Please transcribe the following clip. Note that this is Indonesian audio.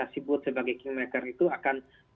sebut sebagai kingmaker itu akan